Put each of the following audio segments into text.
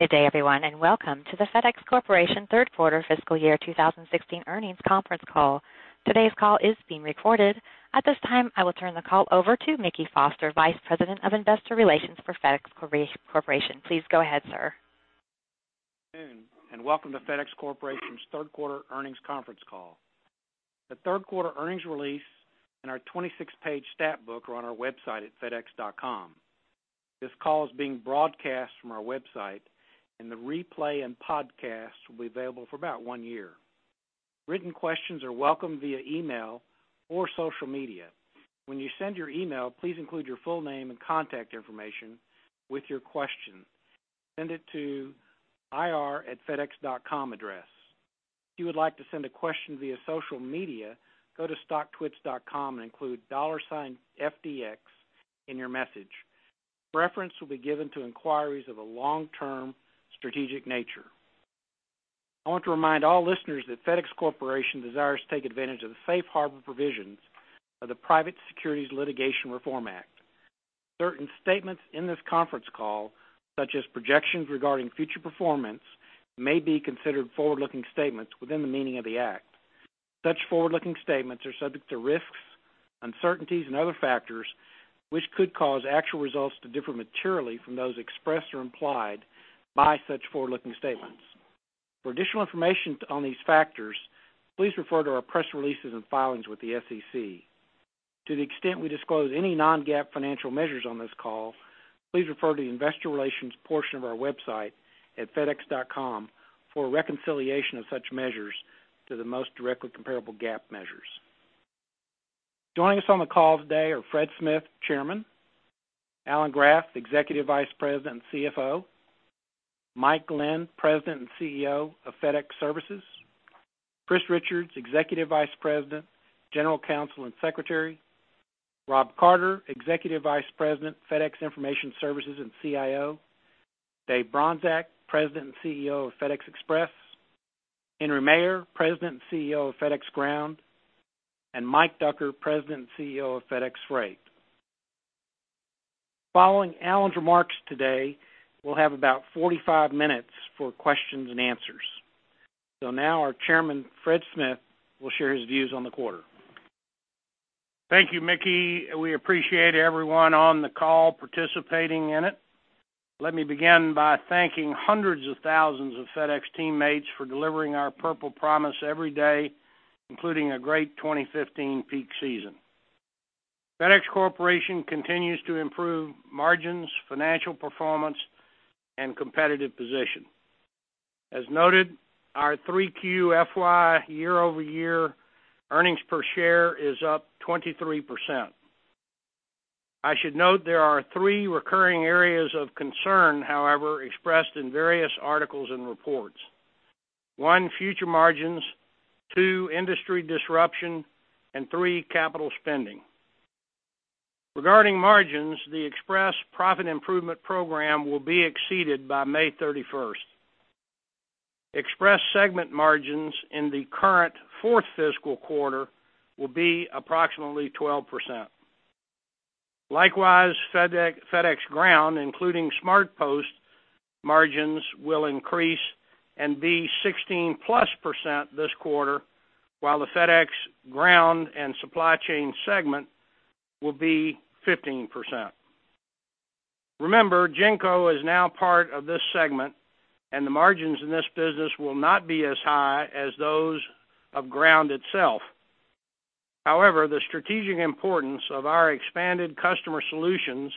Good day, everyone, and welcome to the FedEx Corporation third quarter fiscal year 2016 earnings conference call. Today's call is being recorded. At this time, I will turn the call over to Mickey Foster, Vice President of Investor Relations for FedEx Corporation. Please go ahead, sir. Good afternoon, and welcome to FedEx Corporation's third quarter earnings conference call. The third quarter earnings release and our 26-page stat book are on our website at fedex.com. This call is being broadcast from our website, and the replay and podcast will be available for about one year. Written questions are welcome via email or social media. When you send your email, please include your full name and contact information with your question. Send it to ir@fedex.com address. If you would like to send a question via social media, go to StockTwits.com and include $FDX in your message. Reference will be given to inquiries of a long-term strategic nature. I want to remind all listeners that FedEx Corporation desires to take advantage of the safe harbor provisions of the Private Securities Litigation Reform Act. Certain statements in this conference call, such as projections regarding future performance, may be considered forward-looking statements within the meaning of the Act. Such forward-looking statements are subject to risks, uncertainties, and other factors which could cause actual results to differ materially from those expressed or implied by such forward-looking statements. For additional information on these factors, please refer to our press releases and filings with the SEC. To the extent we disclose any non-GAAP financial measures on this call, please refer to the investor relations portion of our website at fedex.com for a reconciliation of such measures to the most directly comparable GAAP measures. Joining us on the call today are Fred Smith, Chairman, Alan Graf, Executive Vice President and CFO, Mike Glenn, President and CEO of FedEx Services, Chris Richards, Executive Vice President, General Counsel, and Secretary, Rob Carter, Executive Vice President, FedEx Information Services and CIO, Dave Bronczek, President and CEO of FedEx Express, Henry Maier, President and CEO of FedEx Ground, and Mike Ducker, President and CEO of FedEx Freight. Following Alan's remarks today, we'll have about 45 minutes for questions and answers. So now our chairman, Fred Smith, will share his views on the quarter. Thank you, Mickey. We appreciate everyone on the call participating in it. Let me begin by thanking hundreds of thousands of FedEx teammates for delivering our Purple Promise every day, including a great 2015 peak season. FedEx Corporation continues to improve margins, financial performance, and competitive position. As noted, our 3Q FY year-over-year earnings per share is up 23%. I should note there are three recurring areas of concern, however, expressed in various articles and reports. One, future margins, two, industry disruption, and three, capital spending. Regarding margins, the Express Profit Improvement Program will be exceeded by May 31st. Express segment margins in the current fourth fiscal quarter will be approximately 12%. Likewise, FedEx Freight, FedEx Ground, including SmartPost, margins will increase and be 16%+ this quarter, while the FedEx Ground and Supply Chain segment will be 15%. Remember, GENCO is now part of this segment, and the margins in this business will not be as high as those of Ground itself. However, the strategic importance of our expanded customer solutions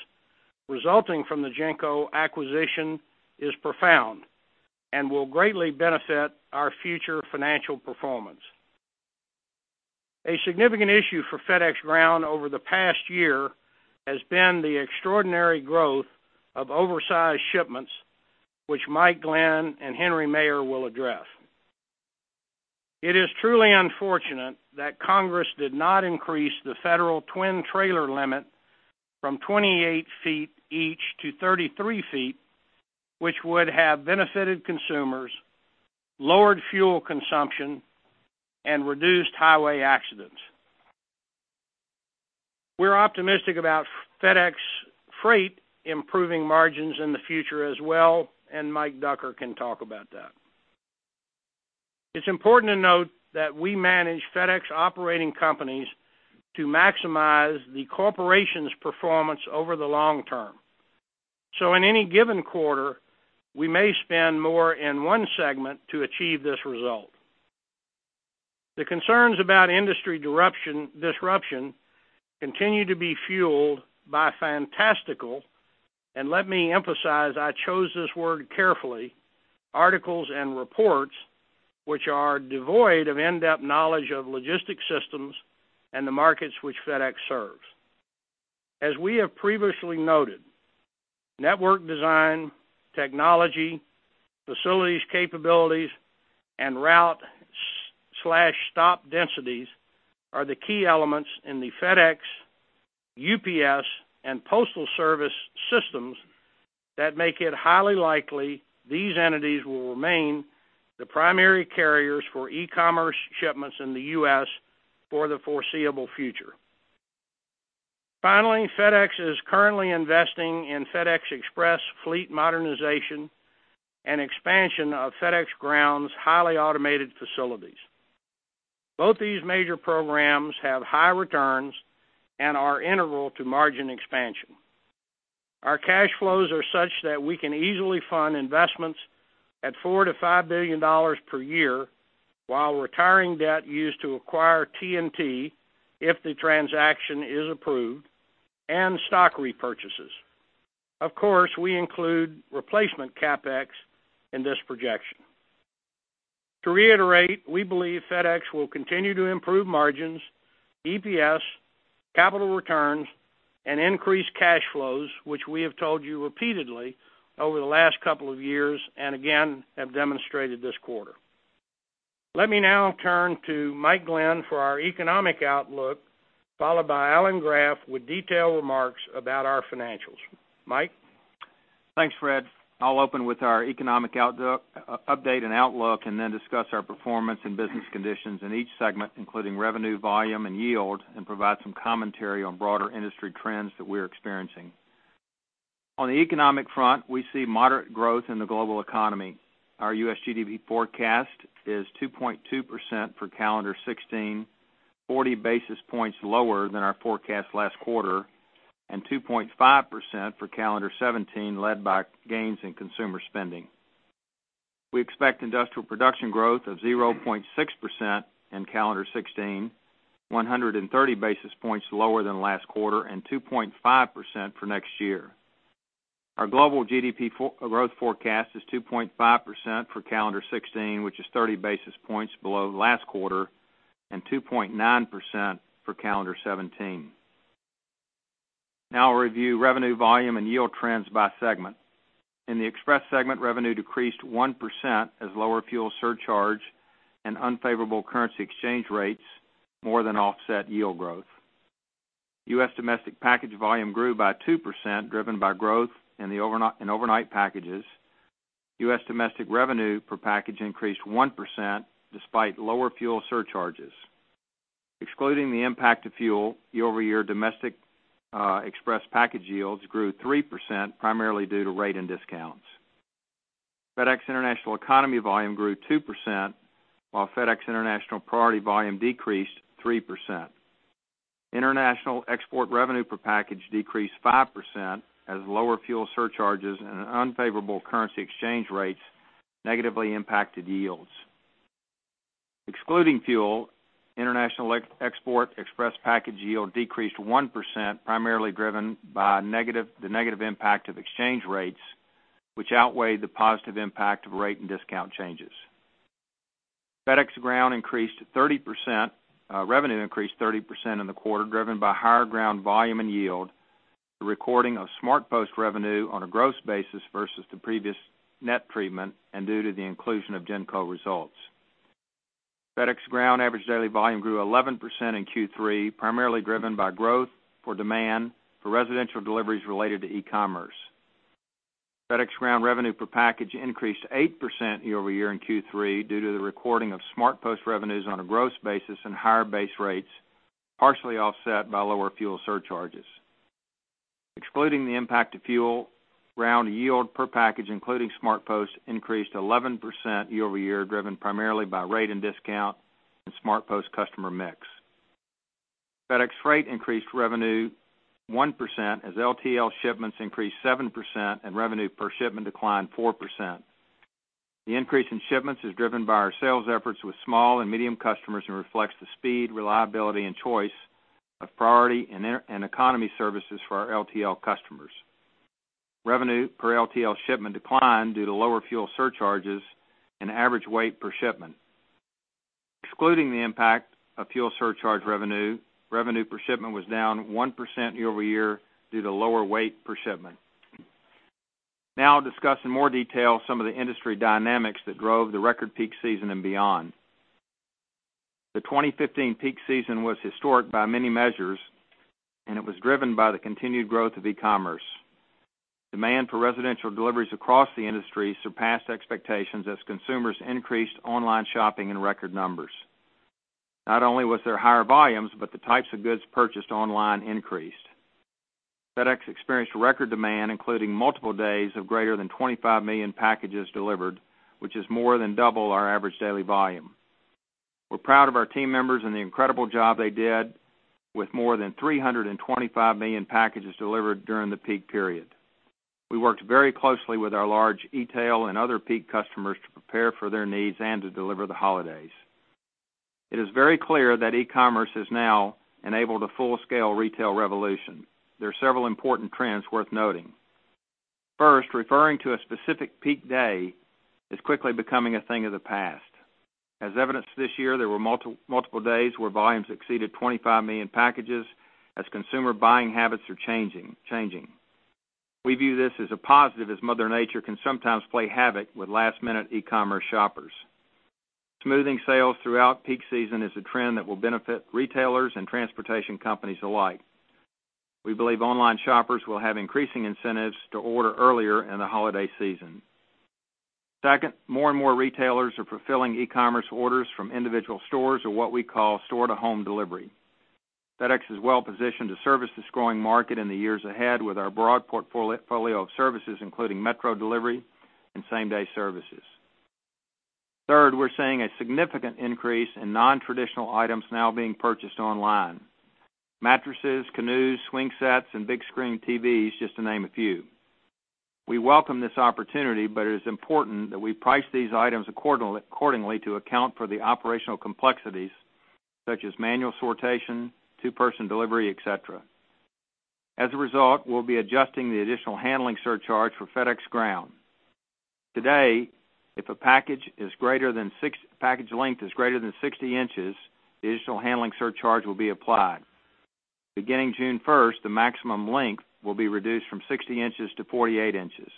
resulting from the GENCO acquisition is profound and will greatly benefit our future financial performance. A significant issue for FedEx Ground over the past year has been the extraordinary growth of oversized shipments, which Mike Glenn and Henry Maier will address. It is truly unfortunate that Congress did not increase the federal twin trailer limit from 28 feet each to 33 feet, which would have benefited consumers, lowered fuel consumption, and reduced highway accidents. We're optimistic about FedEx Freight improving margins in the future as well, and Mike Ducker can talk about that. It's important to note that we manage FedEx operating companies to maximize the corporation's performance over the long term. So in any given quarter, we may spend more in one segment to achieve this result. The concerns about industry disruption continue to be fueled by fantastical, and let me emphasize, I chose this word carefully, articles and reports, which are devoid of in-depth knowledge of logistics systems and the markets which FedEx serves. As we have previously noted, network design, technology, facilities capabilities, and route/stop densities are the key elements in the FedEx, UPS, and Postal Service systems that make it highly likely these entities will remain the primary carriers for e-commerce shipments in the U.S. for the foreseeable future. Finally, FedEx is currently investing in FedEx Express fleet modernization and expansion of FedEx Ground's highly automated facilities. Both these major programs have high returns and are integral to margin expansion. Our cash flows are such that we can easily fund investments at $4 billion-$5 billion per year while retiring debt used to acquire TNT, if the transaction is approved, and stock repurchases. Of course, we include replacement CapEx in this projection. To reiterate, we believe FedEx will continue to improve margins, EPS, capital returns, and increase cash flows, which we have told you repeatedly over the last couple of years, and again, have demonstrated this quarter. Let me now turn to Mike Glenn for our economic outlook, followed by Alan Graf, with detailed remarks about our financials. Mike? Thanks, Fred. I'll open with our economic outlook and outlook, and then discuss our performance and business conditions in each segment, including revenue, volume, and yield, and provide some commentary on broader industry trends that we're experiencing. On the economic front, we see moderate growth in the global economy. Our U.S. GDP forecast is 2.2% for calendar 2016, 40 basis points lower than our forecast last quarter, and 2.5% for calendar 2017, led by gains in consumer spending. We expect industrial production growth of 0.6% in calendar 2016, 130 basis points lower than last quarter, and 2.5% for next year. Our global GDP growth forecast is 2.5% for calendar 2016, which is 30 basis points below last quarter, and 2.9% for calendar 2017. Now I'll review revenue, volume and yield trends by segment. In the Express segment, revenue decreased 1% as lower fuel surcharge and unfavorable currency exchange rates more than offset yield growth. U.S. domestic package volume grew by 2%, driven by growth in the overnight packages. U.S. domestic revenue per package increased 1% despite lower fuel surcharges. Excluding the impact of fuel, year-over-year domestic Express package yields grew 3%, primarily due to rate and discounts. FedEx International Economy volume grew 2%, while FedEx International Priority volume decreased 3%. International export revenue per package decreased 5%, as lower fuel surcharges and unfavorable currency exchange rates negatively impacted yields. Excluding fuel, international export Express package yield decreased 1%, primarily driven by the negative impact of exchange rates, which outweighed the positive impact of rate and discount changes. FedEx Ground increased 30%, revenue increased 30% in the quarter, driven by higher ground volume and yield, the recording of SmartPost revenue on a gross basis versus the previous net treatment, and due to the inclusion of GENCO results. FedEx Ground average daily volume grew 11% in Q3, primarily driven by growth for demand for residential deliveries related to e-commerce. FedEx Ground revenue per package increased 8% year-over-year in Q3 due to the recording of SmartPost revenues on a gross basis and higher base rates, partially offset by lower fuel surcharges. Excluding the impact of fuel, Ground yield per package, including SmartPost, increased 11% year-over-year, driven primarily by rate and discount and SmartPost customer mix. FedEx Freight increased revenue 1%, as LTL shipments increased 7% and revenue per shipment declined 4%. The increase in shipments is driven by our sales efforts with small and medium customers and reflects the speed, reliability, and choice of Priority and economy services for our LTL customers. Revenue per LTL shipment declined due to lower fuel surcharges and average weight per shipment. Excluding the impact of fuel surcharge revenue, revenue per shipment was down 1% year-over-year due to lower weight per shipment. Now I'll discuss in more detail some of the industry dynamics that drove the record peak season and beyond. The 2015 peak season was historic by many measures, and it was driven by the continued growth of e-commerce. Demand for residential deliveries across the industry surpassed expectations as consumers increased online shopping in record numbers. Not only was there higher volumes, but the types of goods purchased online increased. FedEx experienced record demand, including multiple days of greater than 25 million packages delivered, which is more than double our average daily volume. We're proud of our team members and the incredible job they did with more than 325 million packages delivered during the peak period. We worked very closely with our large e-tail and other peak customers to prepare for their needs and to deliver the holidays. It is very clear that e-commerce has now enabled a full-scale retail revolution. There are several important trends worth noting. First, referring to a specific peak day is quickly becoming a thing of the past. As evidenced this year, there were multiple, multiple days where volumes exceeded 25 million packages as consumer buying habits are changing, changing. We view this as a positive, as Mother Nature can sometimes play havoc with last-minute e-commerce shoppers. Smoothing sales throughout peak season is a trend that will benefit retailers and transportation companies alike. We believe online shoppers will have increasing incentives to order earlier in the holiday season.... Second, more and more retailers are fulfilling e-commerce orders from individual stores or what we call store-to-home delivery. FedEx is well positioned to service this growing market in the years ahead with our broad portfolio of services, including metro delivery and same-day services. Third, we're seeing a significant increase in nontraditional items now being purchased online: mattresses, canoes, swing sets, and big screen TVs, just to name a few. We welcome this opportunity, but it is important that we price these items accordingly to account for the operational complexities, such as manual sortation, two-person delivery, et cetera. As a result, we'll be adjusting the additional handling surcharge for FedEx Ground. Today, if a package length is greater than 60 inches, the additional handling surcharge will be applied. Beginning June 1st, the maximum length will be reduced from 60 inches to 48 inches.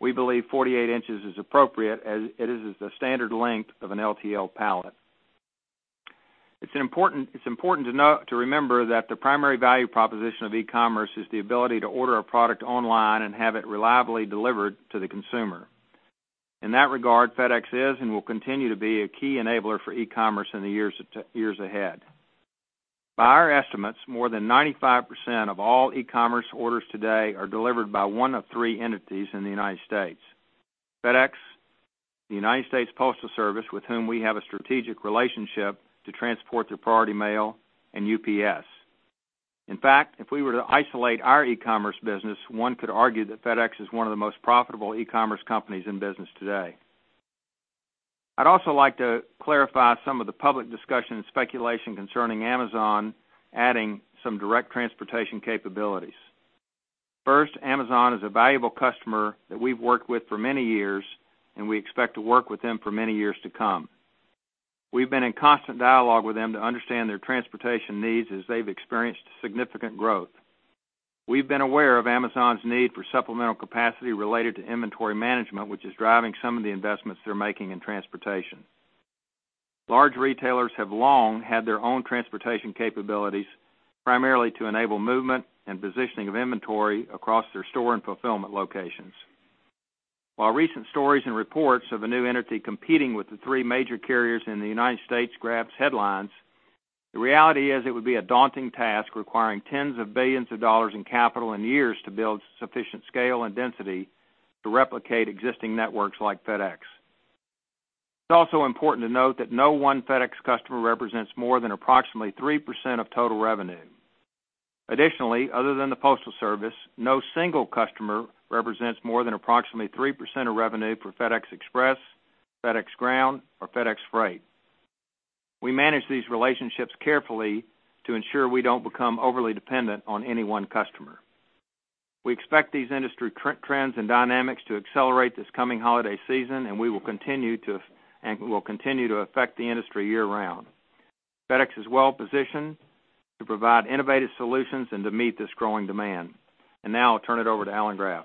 We believe 48 inches is appropriate, as it is the standard length of an LTL pallet. It's important to remember that the primary value proposition of e-commerce is the ability to order a product online and have it reliably delivered to the consumer. In that regard, FedEx is and will continue to be a key enabler for e-commerce in the years ahead. By our estimates, more than 95% of all e-commerce orders today are delivered by one of three entities in the United States: FedEx, the United States Postal Service, with whom we have a strategic relationship to transport their Priority Mail, and UPS. In fact, if we were to isolate our e-commerce business, one could argue that FedEx is one of the most profitable e-commerce companies in business today. I'd also like to clarify some of the public discussion and speculation concerning Amazon adding some direct transportation capabilities. First, Amazon is a valuable customer that we've worked with for many years, and we expect to work with them for many years to come. We've been in constant dialogue with them to understand their transportation needs as they've experienced significant growth. We've been aware of Amazon's need for supplemental capacity related to inventory management, which is driving some of the investments they're making in transportation. Large retailers have long had their own transportation capabilities, primarily to enable movement and positioning of inventory across their store and fulfillment locations. While recent stories and reports of a new entity competing with the three major carriers in the United States grabs headlines, the reality is it would be a daunting task, requiring tens of billions of dollars in capital and years to build sufficient scale and density to replicate existing networks like FedEx. It's also important to note that no one FedEx customer represents more than approximately 3% of total revenue. Additionally, other than the Postal Service, no single customer represents more than approximately 3% of revenue for FedEx Express, FedEx Ground, or FedEx Freight. We manage these relationships carefully to ensure we don't become overly dependent on any one customer. We expect these industry trends and dynamics to accelerate this coming holiday season, and we will continue to affect the industry year-round. FedEx is well positioned to provide innovative solutions and to meet this growing demand. Now I'll turn it over to Alan Graf.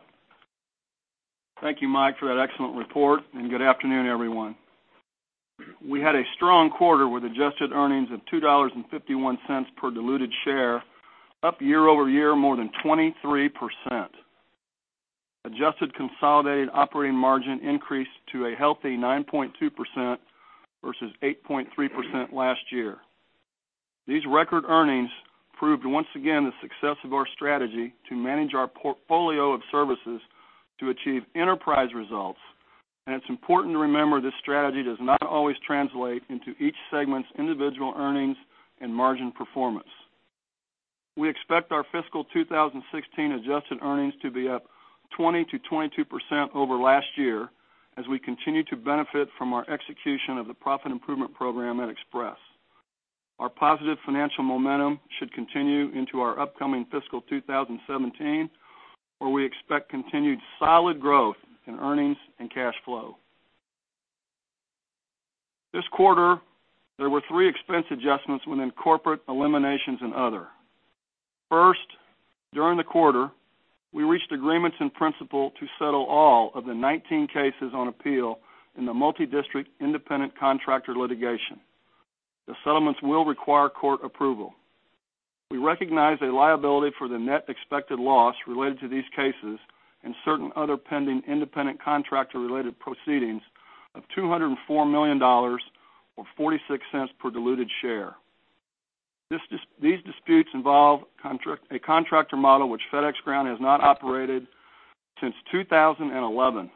Thank you, Mike, for that excellent report, and good afternoon, everyone. We had a strong quarter with adjusted earnings of $2.51 per diluted share, up year-over-year more than 23%. Adjusted consolidated operating margin increased to a healthy 9.2% versus 8.3% last year. These record earnings proved once again the success of our strategy to manage our portfolio of services to achieve enterprise results, and it's important to remember this strategy does not always translate into each segment's individual earnings and margin performance. We expect our fiscal 2016 adjusted earnings to be up 20%-22% over last year as we continue to benefit from our execution of the Profit Improvement Program at Express. Our positive financial momentum should continue into our upcoming fiscal 2017, where we expect continued solid growth in earnings and cash flow. This quarter, there were three expense adjustments within corporate eliminations and other. First, during the quarter, we reached agreements in principle to settle all of the 19 cases on appeal in the multi-district independent contractor litigation. The settlements will require court approval. We recognize a liability for the net expected loss related to these cases and certain other pending independent contractor-related proceedings of $204 million, or $0.46 per diluted share. These disputes involve a contractor model which FedEx Ground has not operated since 2011.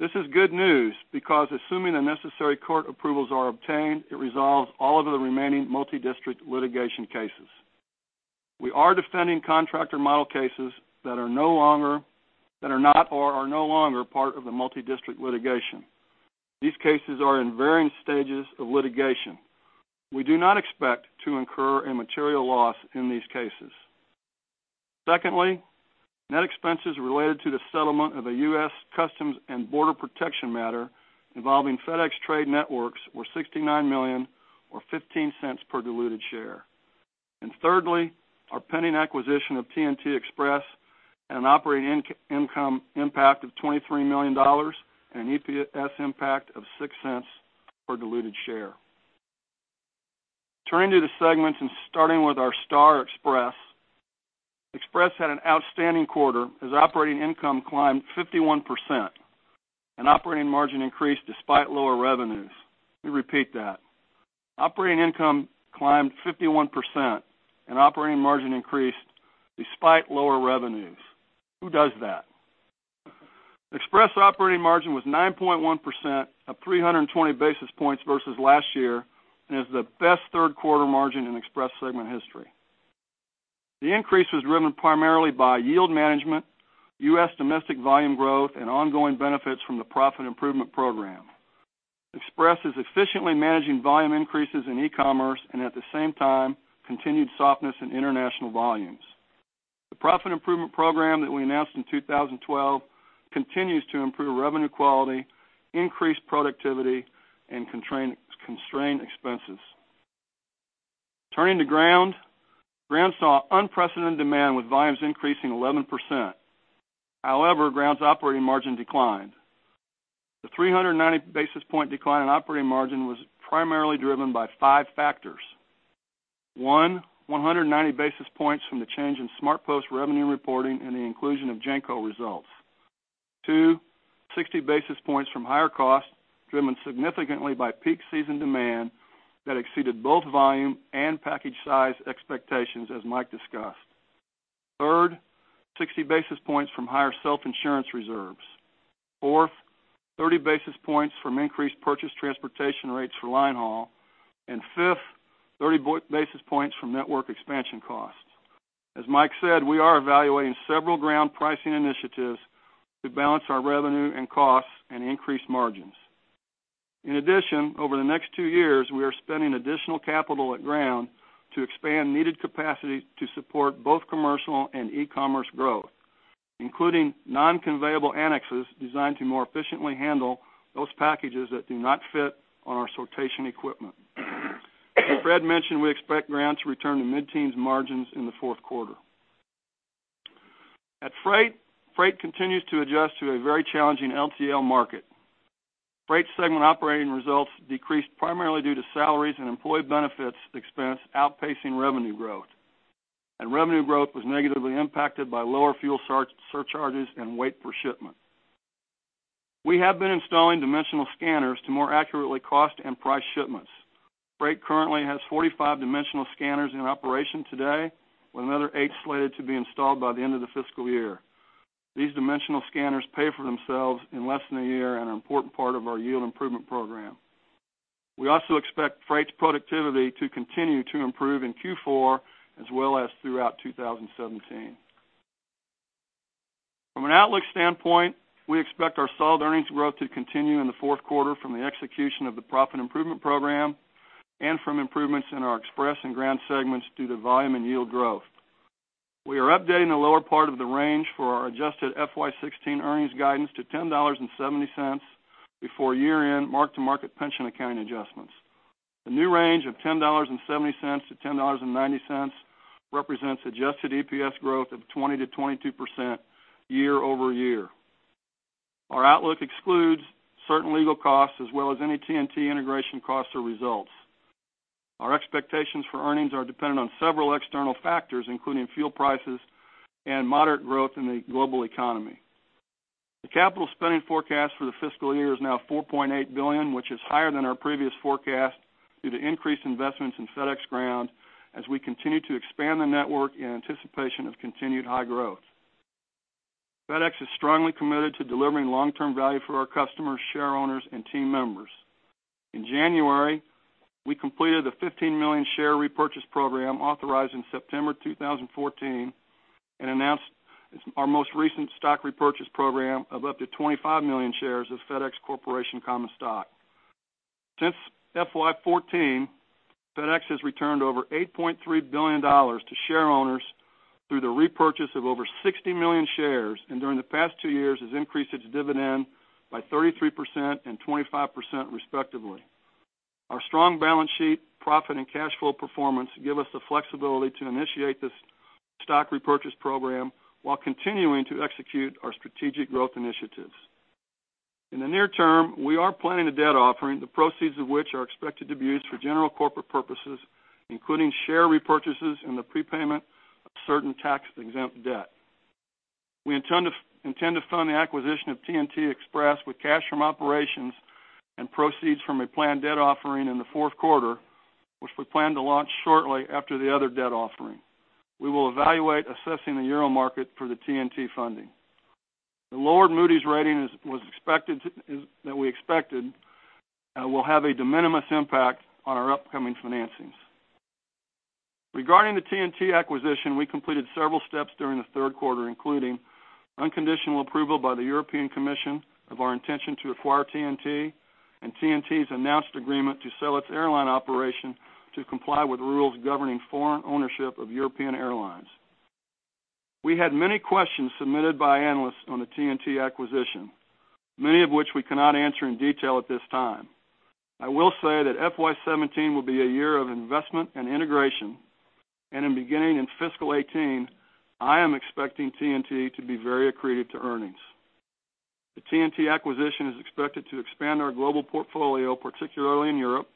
This is good news because assuming the necessary court approvals are obtained, it resolves all of the remaining multi-district litigation cases. We are defending contractor model cases that are not or are no longer part of the multi-district litigation. These cases are in varying stages of litigation. We do not expect to incur a material loss in these cases. Secondly, net expenses related to the settlement of a U.S. Customs and Border Protection matter involving FedEx Trade Networks were $69 million, or $0.15 per diluted share. And thirdly, our pending acquisition of TNT Express had an operating income impact of $23 million and an EPS impact of $0.06 per diluted share. Turning to the segments and starting with our FedEx Express. Express had an outstanding quarter as operating income climbed 51%, and operating margin increased despite lower revenues. Let me repeat that. Operating income climbed 51%, and operating margin increased despite lower revenues. Who does that? Express operating margin was 9.1%, up 320 basis points versus last year, and is the best third quarter margin in Express segment history. The increase was driven primarily by yield management, U.S. domestic volume growth, and ongoing benefits from the Profit Improvement Program. Express is efficiently managing volume increases in e-commerce, and at the same time, continued softness in international volumes. The Profit Improvement Program that we announced in 2012 continues to improve revenue quality, increase productivity, and constrain expenses. Turning to Ground. Ground saw unprecedented demand, with volumes increasing 11%. However, Ground's operating margin declined. The 390 basis points decline in operating margin was primarily driven by five factors. One, 190 basis points from the change in SmartPost revenue reporting and the inclusion of GENCO results. Two, 60 basis points from higher costs, driven significantly by peak season demand that exceeded both volume and package size expectations, as Mike discussed. Third, 60 basis points from higher self-insurance reserves. Fourth, 30 basis points from increased purchase transportation rates for line haul, and fifth, 30 basis points from network expansion costs. As Mike said, we are evaluating several Ground pricing initiatives to balance our revenue and costs and increase margins. In addition, over the next two years, we are spending additional capital at Ground to expand needed capacity to support both commercial and e-commerce growth, including non-conveyable annexes designed to more efficiently handle those packages that do not fit on our sortation equipment. As Fred mentioned, we expect Ground to return to mid-teens margins in the fourth quarter. At Freight, Freight continues to adjust to a very challenging LTL market. Freight segment operating results decreased primarily due to salaries and employee benefits expense outpacing revenue growth, and revenue growth was negatively impacted by lower fuel surcharges and weight per shipment. We have been installing dimensional scanners to more accurately cost and price shipments. Freight currently has 45 dimensional scanners in operation today, with another eight slated to be installed by the end of the fiscal year. These dimensional scanners pay for themselves in less than a year and are an important part of our yield improvement program. We also expect Freight's productivity to continue to improve in Q4, as well as throughout 2017. From an outlook standpoint, we expect our solid earnings growth to continue in the fourth quarter from the execution of the Profit Improvement Program and from improvements in our Express and Ground segments due to volume and yield growth. We are updating the lower part of the range for our adjusted FY 2016 earnings guidance to $10.70 before year-end mark-to-market pension accounting adjustments. The new range of $10.70-$10.90 represents adjusted EPS growth of 20%-22% year over year. Our outlook excludes certain legal costs as well as any TNT integration costs or results. Our expectations for earnings are dependent on several external factors, including fuel prices and moderate growth in the global economy. The capital spending forecast for the fiscal year is now $4.8 billion, which is higher than our previous forecast, due to increased investments in FedEx Ground as we continue to expand the network in anticipation of continued high growth. FedEx is strongly committed to delivering long-term value for our customers, shareowners, and team members. In January, we completed the 15 million share repurchase program authorized in September 2014, and announced our most recent stock repurchase program of up to 25 million shares of FedEx Corporation common stock. Since FY 2014, FedEx has returned over $8.3 billion to shareowners through the repurchase of over 60 million shares, and during the past two years, has increased its dividend by 33% and 25%, respectively. Our strong balance sheet, profit, and cash flow performance give us the flexibility to initiate this stock repurchase program while continuing to execute our strategic growth initiatives. In the near term, we are planning a debt offering, the proceeds of which are expected to be used for general corporate purposes, including share repurchases and the prepayment of certain tax-exempt debt. We intend to fund the acquisition of TNT Express with cash from operations and proceeds from a planned debt offering in the fourth quarter, which we plan to launch shortly after the other debt offering. We will evaluate assessing the euro market for the TNT funding. The lower Moody's rating is what we expected and will have a de minimis impact on our upcoming financings. Regarding the TNT acquisition, we completed several steps during the third quarter, including unconditional approval by the European Commission of our intention to acquire TNT, and TNT's announced agreement to sell its airline operation to comply with rules governing foreign ownership of European airlines. We had many questions submitted by analysts on the TNT acquisition, many of which we cannot answer in detail at this time. I will say that FY 2017 will be a year of investment and integration, and beginning in fiscal 2018, I am expecting TNT to be very accretive to earnings. The TNT acquisition is expected to expand our global portfolio, particularly in Europe,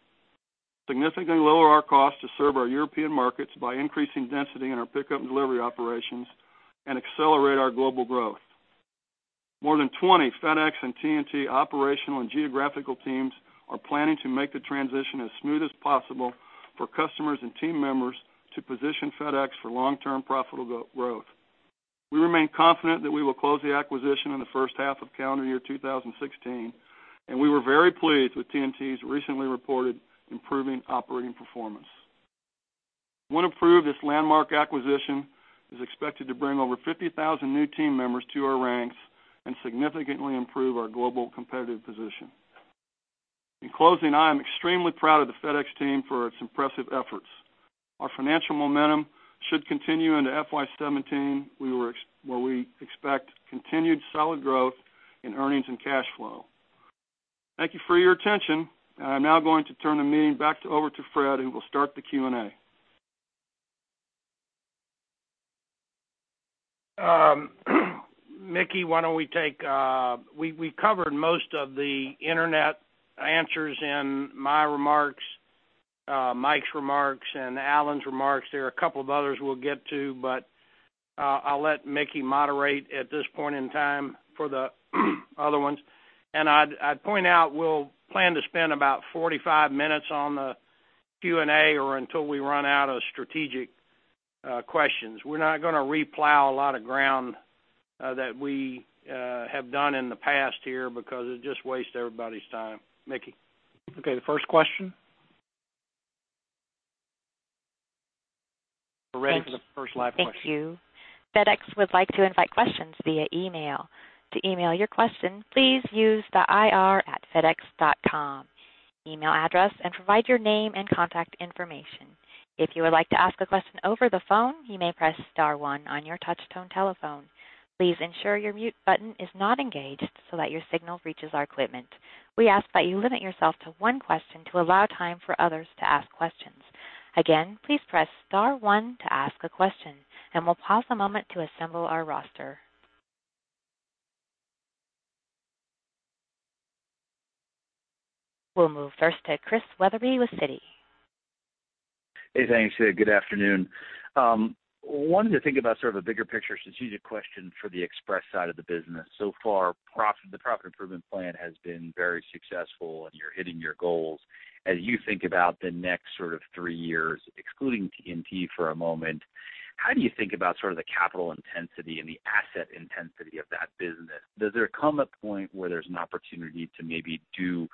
significantly lower our cost to serve our European markets by increasing density in our pickup and delivery operations, and accelerate our global growth. More than 20 FedEx and TNT operational and geographical teams are planning to make the transition as smooth as possible for customers and team members to position FedEx for long-term profitable growth. We remain confident that we will close the acquisition in the first half of calendar year 2016, and we were very pleased with TNT's recently reported improving operating performance. When approved, this landmark acquisition is expected to bring over 50,000 new team members to our ranks and significantly improve our global competitive position. In closing, I am extremely proud of the FedEx team for its impressive efforts. Our financial momentum should continue into FY 2017, where we expect continued solid growth in earnings and cash flow. Thank you for your attention. I'm now going to turn the meeting back over to Fred, who will start the Q&A. Mickey, why don't we take... We covered most of the internet answers in my remarks, Mike's remarks, and Alan's remarks. There are a couple of others we'll get to, but I'll let Mickey moderate at this point in time for the other ones. And I'd point out, we'll plan to spend about 45 minutes on the Q&A or until we run out of strategic questions. We're not gonna replow a lot of ground that we have done in the past here because it'd just waste everybody's time. Mickey? Okay, the first question? We're ready for the first live question. Thank you. FedEx would like to invite questions via email. To email your question, please use the ir@fedex.com email address and provide your name and contact information. If you would like to ask a question over the phone, you may press star one on your touch tone telephone. Please ensure your mute button is not engaged so that your signal reaches our equipment. We ask that you limit yourself to one question to allow time for others to ask questions. Again, please press star one to ask a question, and we'll pause a moment to assemble our roster. We'll move first to Chris Wetherbee with Citi. Hey, thanks, yeah, good afternoon. Wanted to think about sort of a bigger picture strategic question for the Express side of the business. So far, the profit improvement plan has been very successful, and you're hitting your goals. As you think about the next sort of three years, excluding TNT for a moment, how do you think about sort of the capital intensity and the asset intensity of that business? Does there come a point where there's an opportunity to maybe do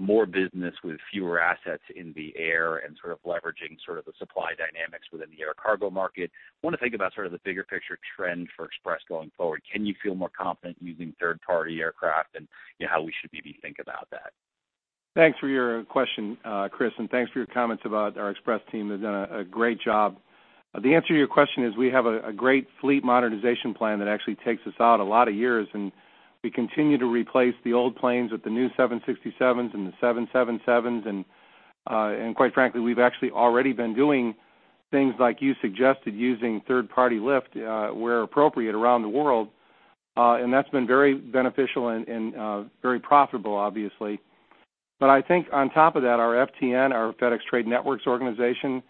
more business with fewer assets in the air and sort of leveraging sort of the supply dynamics within the air cargo market? I wanna think about sort of the bigger picture trend for Express going forward. Can you feel more confident using third-party aircraft, and, you know, how we should maybe think about that? Thanks for your question, Chris, and thanks for your comments about our Express team. They've done a great job. The answer to your question is we have a great fleet modernization plan that actually takes us out a lot of years, and we continue to replace the old planes with the new 767s and the 777s. And quite frankly, we've actually already been doing things like you suggested, using third-party lift where appropriate around the world. And that's been very beneficial and very profitable, obviously. But I think on top of that, our FTN, our FedEx Trade Networks organization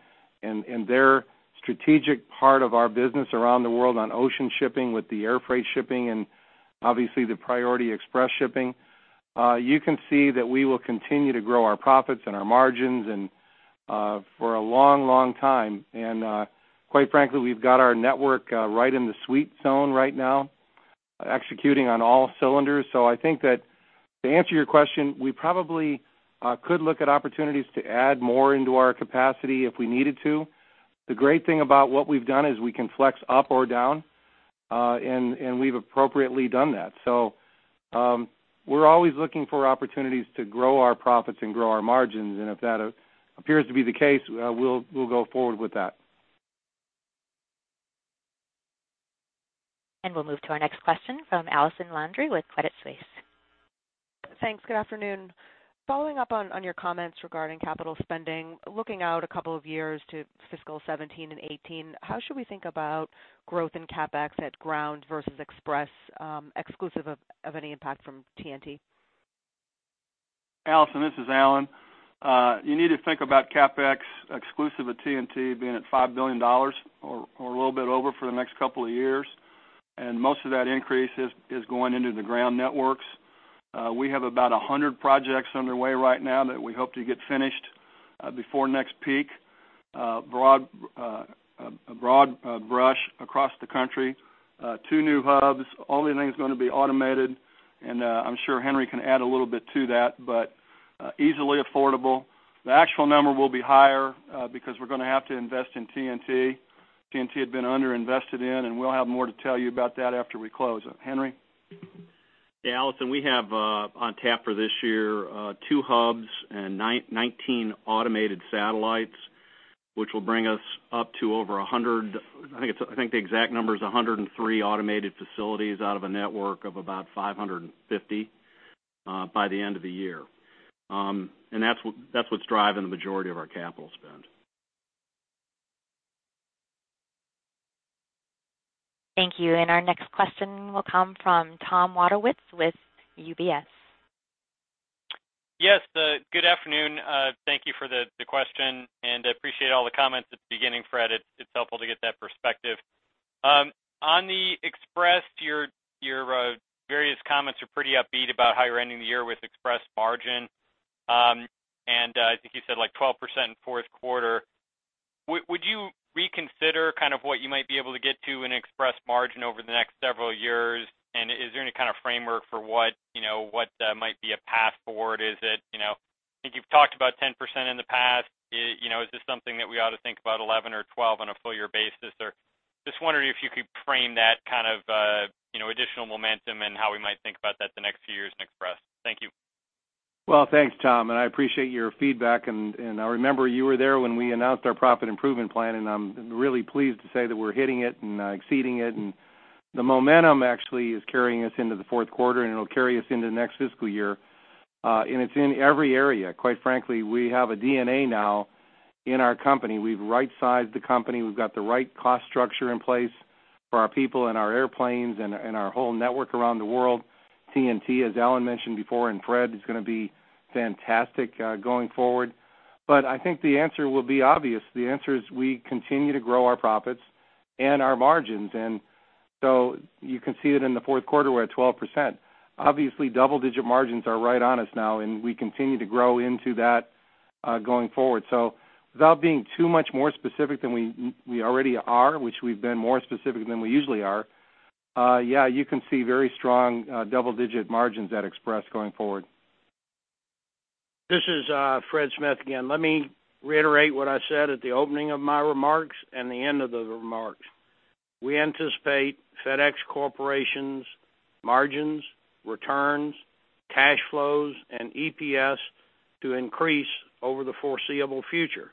and their strategic part of our business around the world on ocean shipping with the Air Freight shipping and obviously the Priority express shipping, you can see that we will continue to grow our profits and our margins and for a long, long time. And quite frankly, we've got our network right in the sweet zone right now, executing on all cylinders. So I think that to answer your question, we probably could look at opportunities to add more into our capacity if we needed to. The great thing about what we've done is we can flex up or down and we've appropriately done that. We're always looking for opportunities to grow our profits and grow our margins, and if that appears to be the case, we'll go forward with that. We'll move to our next question from Allison Landry with Credit Suisse. Thanks. Good afternoon. Following up on, on your comments regarding capital spending, looking out a couple of years to fiscal 2017 and 2018, how should we think about growth in CapEx at Ground versus Express, exclusive of, of any impact from TNT? Allison, this is Alan. You need to think about CapEx exclusive of TNT being at $5 billion or a little bit over for the next couple of years, and most of that increase is going into the ground networks. We have about 100 projects underway right now that we hope to get finished before next peak. Broad brush across the country, two new hubs, all the things are gonna be automated, and I'm sure Henry can add a little bit to that, but easily affordable. The actual number will be higher because we're gonna have to invest in TNT. TNT had been underinvested in, and we'll have more to tell you about that after we close. Henry? Yeah, Allison, we have on tap for this year two hubs and 19 automated satellites, which will bring us up to over 100... I think the exact number is 103 automated facilities out of a network of about 550 by the end of the year. And that's what, that's what's driving the majority of our capital spend. Thank you. And our next question will come from Tom Wadewitz with UBS. Yes, good afternoon. Thank you for the question, and I appreciate all the comments at the beginning, Fred. It's helpful to get that perspective. On the Express, your various comments are pretty upbeat about how you're ending the year with Express margin. And I think you said, like, 12% in fourth quarter. Would you reconsider kind of what you might be able to get to in Express margin over the next several years? And is there any kind of framework for what, you know, what might be a path forward? Is it? You know, I think you've talked about 10% in the past. You know, is this something that we ought to think about 11 or 12 on a full year basis? Or just wondering if you could frame that kind of, you know, additional momentum and how we might think about that the next few years in Express? Thank you. Well, thanks, Tom, and I appreciate your feedback. And I remember you were there when we announced our profit improvement plan, and I'm really pleased to say that we're hitting it and exceeding it. And the momentum actually is carrying us into the fourth quarter, and it'll carry us into the next fiscal year. And it's in every area. Quite frankly, we have a DNA now in our company. We've right-sized the company. We've got the right cost structure in place for our people and our airplanes and our whole network around the world. TNT, as Alan mentioned before, and Fred, is gonna be fantastic going forward. But I think the answer will be obvious. The answer is we continue to grow our profits and our margins. And so you can see it in the fourth quarter, we're at 12%. Obviously, double-digit margins are right on us now, and we continue to grow into that, going forward. So without being too much more specific than we already are, which we've been more specific than we usually are, yeah, you can see very strong, double-digit margins at Express going forward. This is, Fred Smith again. Let me reiterate what I said at the opening of my remarks and the end of the remarks. We anticipate FedEx Corporation's margins, returns, cash flows, and EPS to increase over the foreseeable future.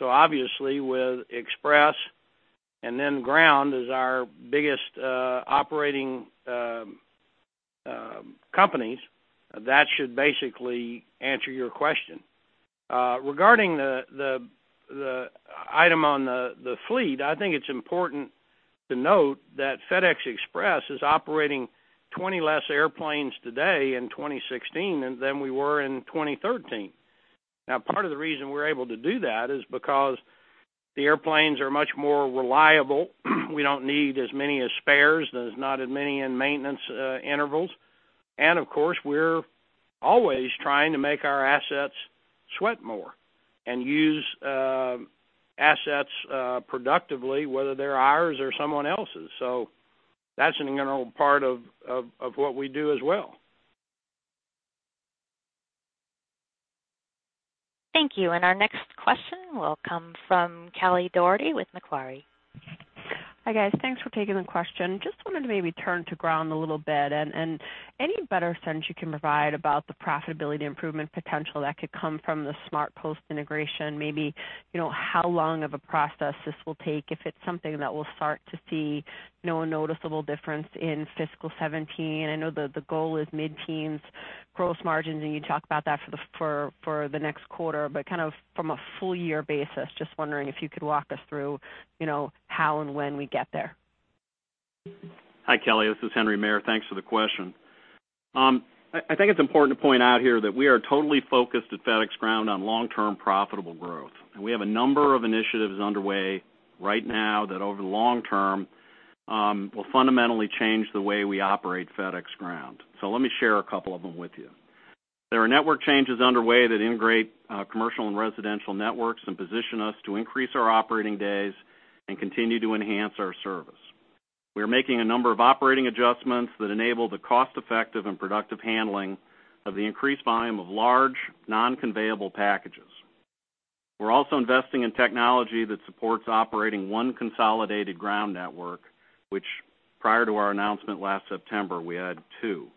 So obviously, with Express and then Ground as our biggest, operating companies, that should basically answer your question. Regarding the item on the fleet, I think it's important to note that FedEx Express is operating 20 less airplanes today in 2016 than we were in 2013. Now, part of the reason we're able to do that is because the airplanes are much more reliable. We don't need as many as spares. There's not as many in maintenance intervals. And of course, we're always trying to make our assets sweat more and use assets productively, whether they're ours or someone else's. That's an integral part of what we do as well. Thank you. Our next question will come from Kelly Dougherty with Macquarie. Hi, guys. Thanks for taking the question. Just wanted to maybe turn to Ground a little bit, and any better sense you can provide about the profitability improvement potential that could come from the SmartPost integration, maybe, you know, how long of a process this will take, if it's something that we'll start to see, you know, a noticeable difference in fiscal 2017? I know the goal is mid-teens gross margins, and you talked about that for the next quarter, but kind of from a full year basis, just wondering if you could walk us through, you know, how and when we get there. Hi, Kelly, this is Henry Maier. Thanks for the question. I think it's important to point out here that we are totally focused at FedEx Ground on long-term profitable growth, and we have a number of initiatives underway right now that, over the long term, will fundamentally change the way we operate FedEx Ground. So let me share a couple of them with you. There are network changes underway that integrate commercial and residential networks and position us to increase our operating days and continue to enhance our service. We are making a number of operating adjustments that enable the cost effective and productive handling of the increased volume of large, non-conveyable packages. We're also investing in technology that supports operating one consolidated ground network, which prior to our announcement last September, we had two.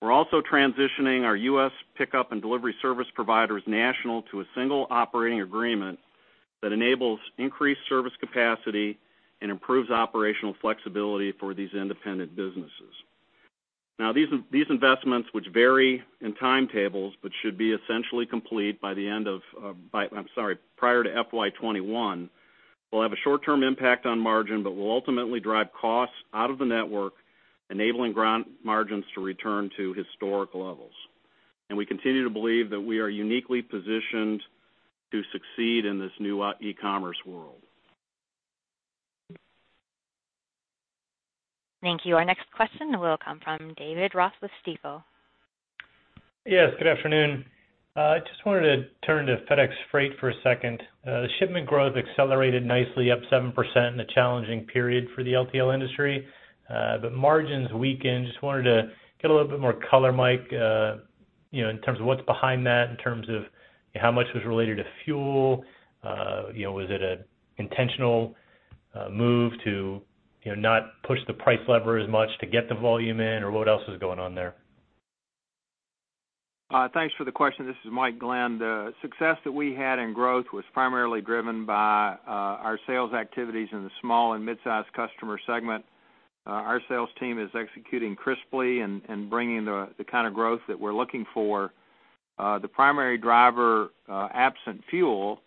We're also transitioning our U.S. pickup and delivery service providers national to a single operating agreement that enables increased service capacity and improves operational flexibility for these independent businesses. Now, these, these investments, which vary in timetables, but should be essentially complete by the end of, prior to FY 2021, will have a short-term impact on margin but will ultimately drive costs out of the network, enabling Ground margins to return to historic levels. And we continue to believe that we are uniquely positioned to succeed in this new, e-commerce world. Thank you. Our next question will come from David Ross with Stifel. Yes, good afternoon. I just wanted to turn to FedEx Freight for a second. The shipment growth accelerated nicely, up 7% in a challenging period for the LTL industry, but margins weakened. Just wanted to get a little bit more color, Mike, you know, in terms of what's behind that, in terms of how much was related to fuel, you know, was it an intentional move to, you know, not push the price lever as much to get the volume in, or what else is going on there? Thanks for the question. This is Mike Glenn. The success that we had in growth was primarily driven by our sales activities in the small and mid-sized customer segment. Our sales team is executing crisply and bringing the kind of growth that we're looking for. The primary driver, absent fuel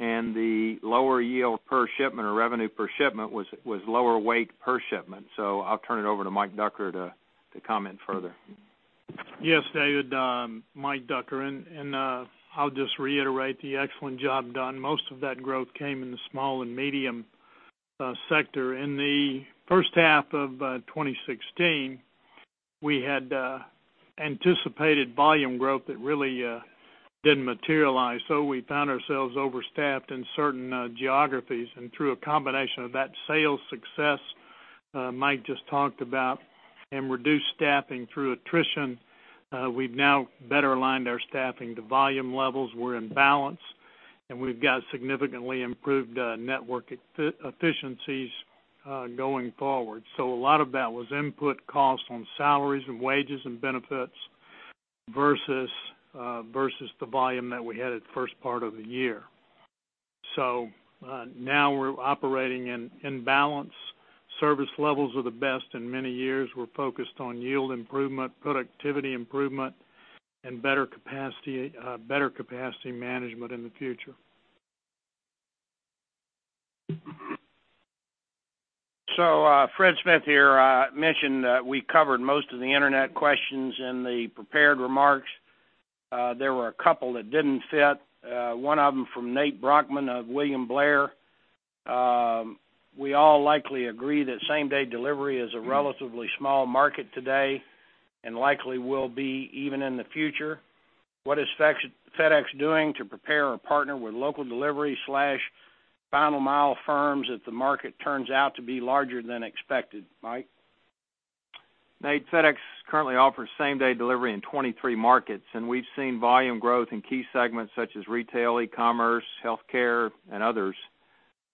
and the lower yield per shipment or revenue per shipment, was lower weight per shipment. So I'll turn it over to Mike Ducker to comment further. Yes, David, Mike Ducker, and I'll just reiterate the excellent job done. Most of that growth came in the small and medium sector. In the first half of 2016, we had anticipated volume growth that really didn't materialize. So we found ourselves overstaffed in certain geographies. And through a combination of that sales success Mike just talked about, and reduced staffing through attrition, we've now better aligned our staffing to volume levels. We're in balance, and we've got significantly improved network efficiencies going forward. So a lot of that was input costs on salaries and wages and benefits versus the volume that we had at the first part of the year. So now we're operating in balance. Service levels are the best in many years. We're focused on yield improvement, productivity improvement, and better capacity, better capacity management in the future. So, Fred Smith here. I mentioned that we covered most of the internet questions in the prepared remarks. There were a couple that didn't fit, one of them from Nate Brochmann of William Blair. We all likely agree that same-day delivery is a relatively small market today and likely will be even in the future. What is FedEx doing to prepare or partner with local delivery slash final mile firms if the market turns out to be larger than expected, Mike? Nate, FedEx currently offers same-day delivery in 23 markets, and we've seen volume growth in key segments such as retail, e-commerce, healthcare, and others.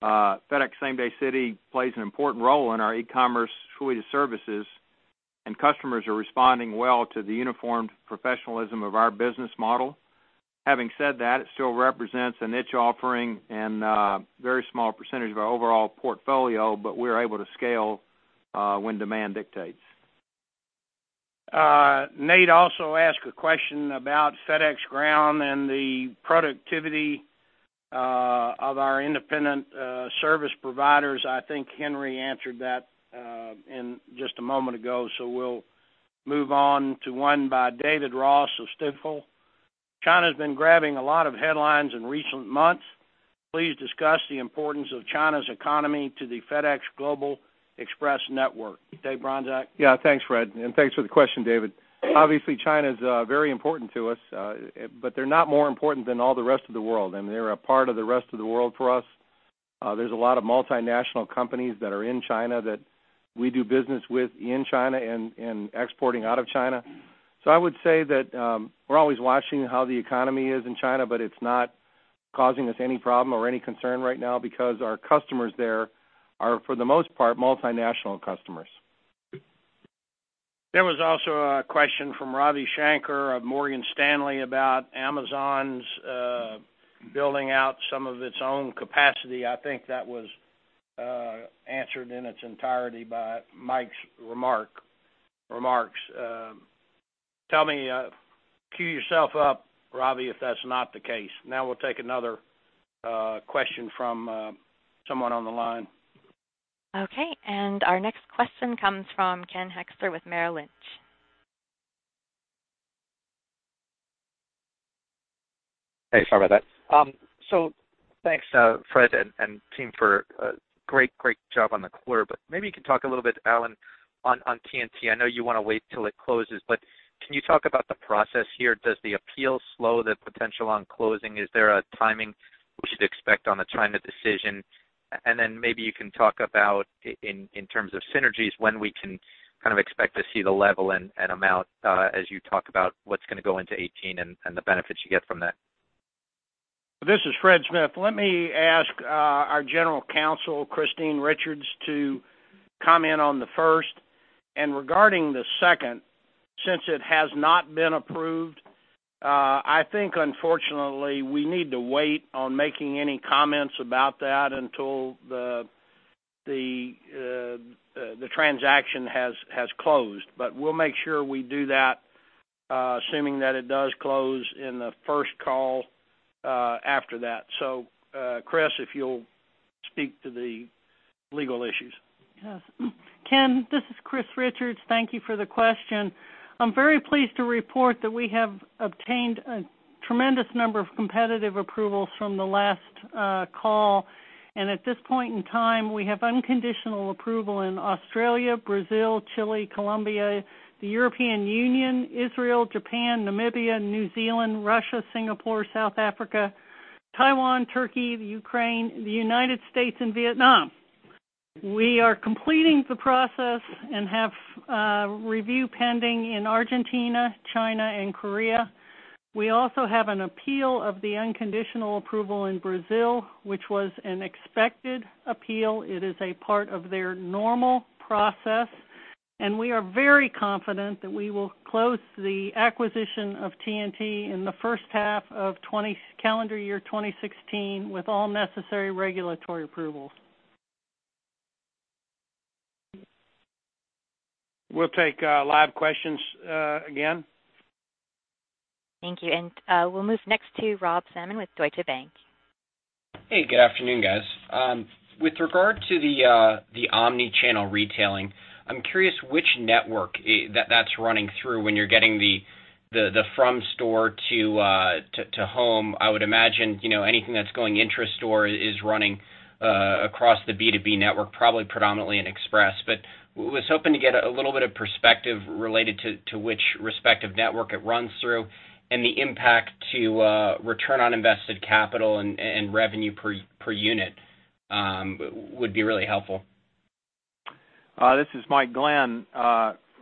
FedEx SameDay City plays an important role in our e-commerce suite of services, and customers are responding well to the uniformed professionalism of our business model. Having said that, it still represents a niche offering and, a very small percentage of our overall portfolio, but we're able to scale, when demand dictates. Nate also asked a question about FedEx Ground and the productivity of our independent service providers. I think Henry answered that in just a moment ago, so we'll move on to one by David Ross of Stifel. China's been grabbing a lot of headlines in recent months. Please discuss the importance of China's economy to the FedEx Global Express network. Dave Bronczek? Yeah. Thanks, Fred, and thanks for the question, David. Obviously, China's very important to us, but they're not more important than all the rest of the world, and they're a part of the rest of the world for us. There's a lot of multinational companies that are in China that we do business with in China and, and exporting out of China. So I would say that, we're always watching how the economy is in China, but it's not causing us any problem or any concern right now because our customers there are, for the most part, multinational customers. There was also a question from Ravi Shanker of Morgan Stanley about Amazon's building out some of its own capacity. I think that was answered in its entirety by Mike's remark, remarks. Tell me, cue yourself up, Ravi, if that's not the case. Now we'll take another question from someone on the line. Okay, and our next question comes from Ken Hoexter with Merrill Lynch. Hey, sorry about that. So thanks, Fred and team for a great, great job on the quarter. But maybe you can talk a little bit, Alan, on TNT. I know you want to wait till it closes, but can you talk about the process here? Does the appeal slow the potential on closing? Is there a timing we should expect on the China decision? And then maybe you can talk about in terms of synergies, when we can kind of expect to see the level and amount, as you talk about what's going to go into 2018 and the benefits you get from that. This is Fred Smith. Let me ask our General Counsel, Christine Richards, to comment on the first. And regarding the second, since it has not been approved, I think, unfortunately, we need to wait on making any comments about that until the transaction has closed. But we'll make sure we do that, assuming that it does close in the first call after that. So, Chris, if you'll speak to the legal issues. Yes. Ken, this is Chris Richards. Thank you for the question. I'm very pleased to report that we have obtained a tremendous number of competitive approvals from the last call. At this point in time, we have unconditional approval in Australia, Brazil, Chile, Colombia, the European Union, Israel, Japan, Namibia, New Zealand, Russia, Singapore, South Africa, Taiwan, Turkey, the Ukraine, the United States, and Vietnam. We are completing the process and have review pending in Argentina, China, and Korea. We also have an appeal of the unconditional approval in Brazil, which was an expected appeal. It is a part of their normal process, and we are very confident that we will close the acquisition of TNT in the first half of calendar year 2016 with all necessary regulatory approvals. ... We'll take live questions again. Thank you. And, we'll move next to Rob Salmon with Deutsche Bank. Hey, good afternoon, guys. With regard to the omni-channel retailing, I'm curious which network that's running through when you're getting the from store to home. I would imagine, you know, anything that's going intra-store is running across the B2B network, probably predominantly in Express. But was hoping to get a little bit of perspective related to which respective network it runs through and the impact to return on invested capital and revenue per unit would be really helpful. This is Mike Glenn.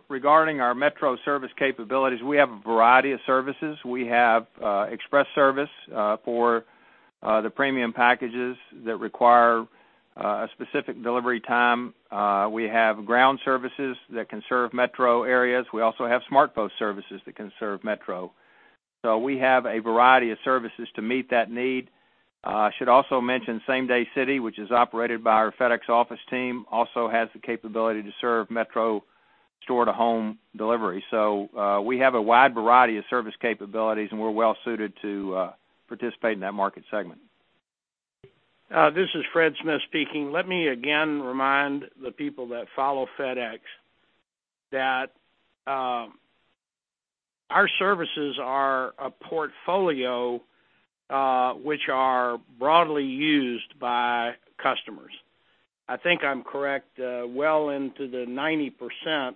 Regarding our metro service capabilities, we have a variety of services. We have Express service for the premium packages that require a specific delivery time. We have ground services that can serve metro areas. We also have SmartPost services that can serve metro. So we have a variety of services to meet that need. I should also mention Same Day City, which is operated by our FedEx Office team, also has the capability to serve metro store-to-home delivery. So, we have a wide variety of service capabilities, and we're well suited to participate in that market segment. This is Fred Smith speaking. Let me again remind the people that follow FedEx that our services are a portfolio which are broadly used by customers. I think I'm correct well into the 90%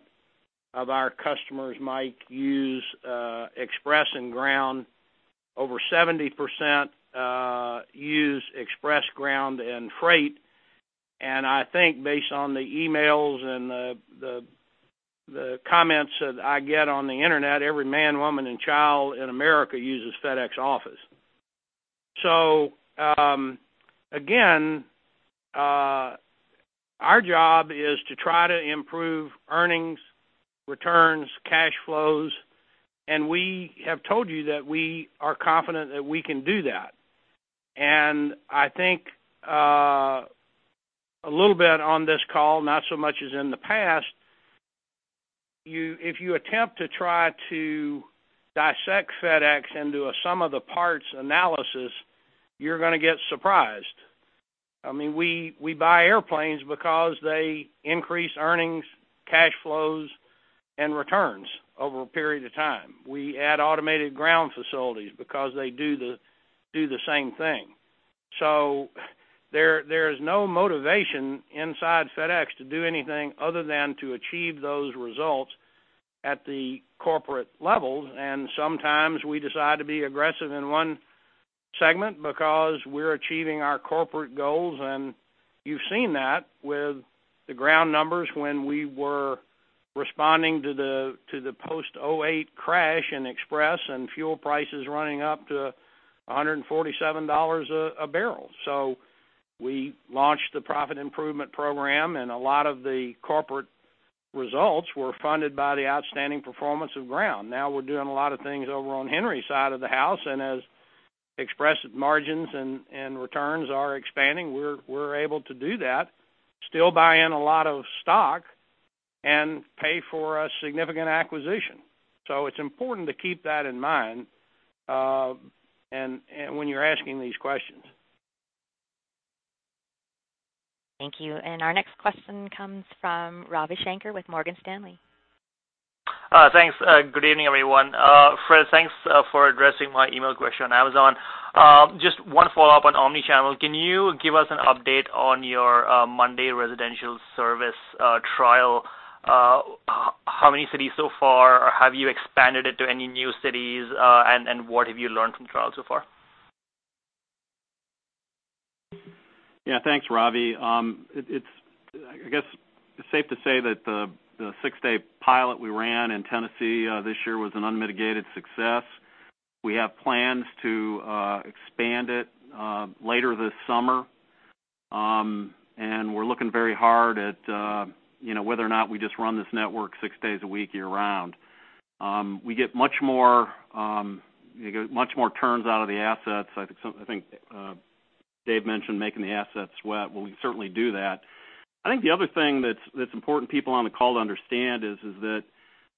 of our customers, Mike, use Express and Ground. Over 70% use Express, Ground, and Freight. And I think based on the emails and the comments that I get on the internet, every man, woman, and child in America uses FedEx Office. So again our job is to try to improve earnings, returns, cash flows, and we have told you that we are confident that we can do that. I think a little bit on this call, not so much as in the past, you—if you attempt to try to dissect FedEx into a sum of the parts analysis, you're gonna get surprised. I mean, we, we buy airplanes because they increase earnings, cash flows, and returns over a period of time. We add automated ground facilities because they do the, do the same thing. So there, there is no motivation inside FedEx to do anything other than to achieve those results at the corporate levels, and sometimes we decide to be aggressive in one segment because we're achieving our corporate goals. You've seen that with the ground numbers when we were responding to the, to the post 2008 crash in Express and fuel prices running up to $147 a barrel. So we launched the Profit Improvement Program, and a lot of the corporate results were funded by the outstanding performance of Ground. Now we're doing a lot of things over on Henry's side of the house, and as Express margins and returns are expanding, we're able to do that, still buy in a lot of stock and pay for a significant acquisition. So it's important to keep that in mind, and when you're asking these questions. Thank you. And our next question comes from Ravi Shanker with Morgan Stanley. Thanks. Good evening, everyone. Fred, thanks for addressing my email question on Amazon. Just one follow-up on Omni-channel. Can you give us an update on your Monday residential service trial? How many cities so far, or have you expanded it to any new cities? And what have you learned from trial so far? Yeah, thanks, Ravi. It's... I guess it's safe to say that the six-day pilot we ran in Tennessee this year was an unmitigated success. We have plans to expand it later this summer. And we're looking very hard at, you know, whether or not we just run this network six days a week, year-round. We get much more, we get much more turns out of the assets. I think some- I think Dave mentioned making the assets sweat. Well, we certainly do that. I think the other thing that's, that's important people on the call to understand is, is that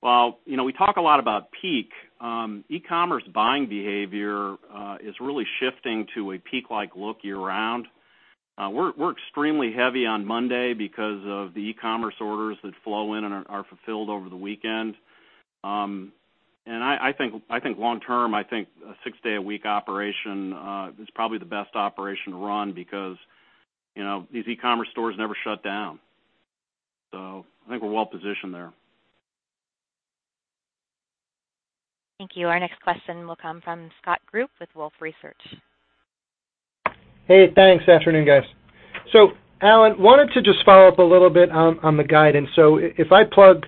while, you know, we talk a lot about peak, e-commerce buying behavior is really shifting to a peak-like look year-round. We're extremely heavy on Monday because of the e-commerce orders that flow in and are fulfilled over the weekend. I think long term a six-day-a-week operation is probably the best operation to run because, you know, these e-commerce stores never shut down. So I think we're well positioned there. Thank you. Our next question will come from Scott Group with Wolfe Research. Hey, thanks. Afternoon, guys. So Alan, wanted to just follow up a little bit on the guidance. So if I plug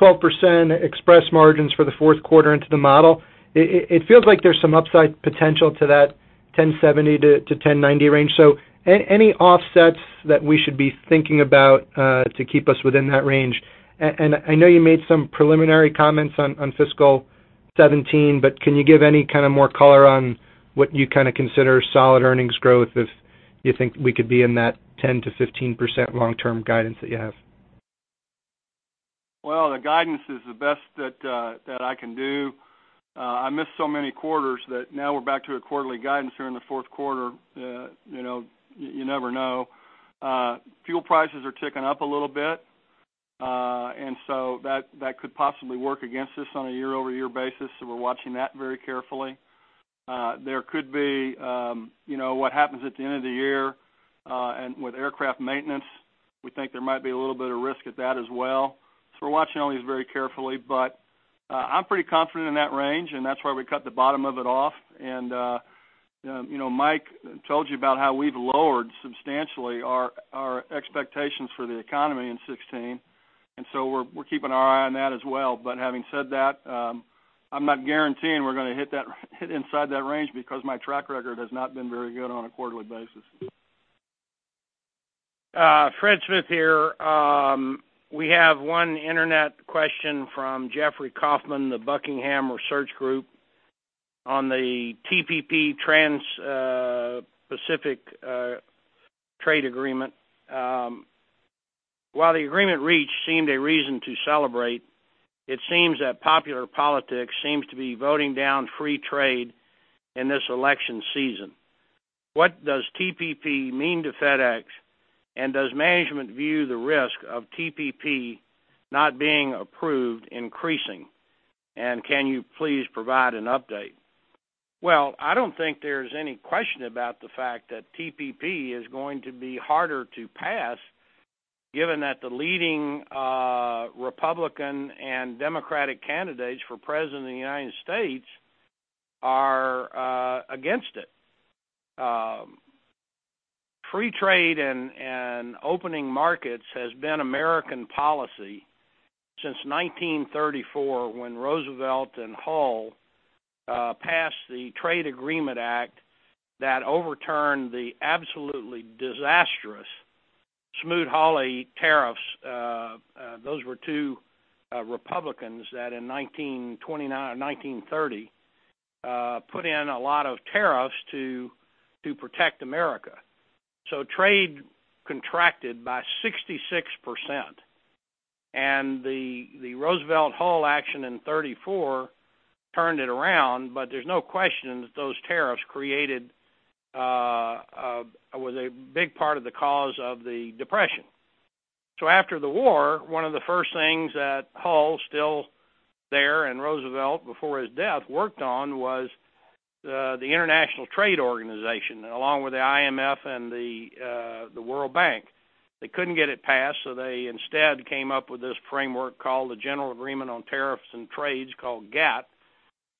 12% Express margins for the fourth quarter into the model, it feels like there's some upside potential to that $10.70-$10.90 range. So any offsets that we should be thinking about to keep us within that range? And I know you made some preliminary comments on fiscal... 2017, but can you give any kind of more color on what you kind of consider solid earnings growth if you think we could be in that 10%-15% long-term guidance that you have? Well, the guidance is the best that that I can do. I missed so many quarters that now we're back to a quarterly guidance here in the fourth quarter, you know, you never know. Fuel prices are ticking up a little bit, and so that could possibly work against us on a year-over-year basis, so we're watching that very carefully. There could be, you know, what happens at the end of the year, and with aircraft maintenance, we think there might be a little bit of risk at that as well. So we're watching all these very carefully, but, I'm pretty confident in that range, and that's why we cut the bottom of it off. You know, Mike told you about how we've lowered substantially our expectations for the economy in 2016, and so we're keeping our eye on that as well. But having said that, I'm not guaranteeing we're gonna hit inside that range because my track record has not been very good on a quarterly basis. Fred Smith here. We have one internet question from Jeffrey Kauffman, the Buckingham Research Group, on the TPP, Trans-Pacific Trade Agreement. While the agreement reached seemed a reason to celebrate, it seems that popular politics seems to be voting down free trade in this election season. What does TPP mean to FedEx, and does management view the risk of TPP not being approved increasing? And can you please provide an update? Well, I don't think there's any question about the fact that TPP is going to be harder to pass, given that the leading Republican and Democratic candidates for President of the United States are against it. Free trade and opening markets has been American policy since 1934, when Roosevelt and Hull passed the Trade Agreements Act that overturned the absolutely disastrous Smoot-Hawley tariffs. Those were two Republicans that in 1929-1930 put in a lot of tariffs to protect America. So trade contracted by 66%, and the Roosevelt-Hull action in 1934 turned it around, but there's no question that those tariffs created was a big part of the cause of the Depression. So after the war, one of the first things that Hull, still there, and Roosevelt, before his death, worked on was the International Trade Organization, along with the IMF and the World Bank. They couldn't get it passed, so they instead came up with this framework called the General Agreement on Tariffs and Trade, called GATT.